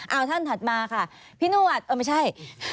เอาท่านถัดมาค่ะพี่นวดเออไม่ใช่